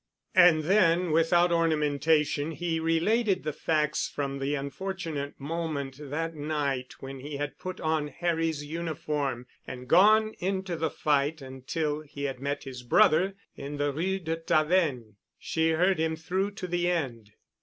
And then, without ornamentation, he related the facts from the unfortunate moment that night when he had put on Harry's uniform and gone into the fight until he had met his brother in the Rue de Tavennes. She heard him through to the end.